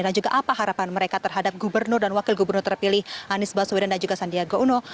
dan juga apa harapan mereka terhadap gubernur dan wakil gubernur terpilih anies baswedan dan juga sandiaga uno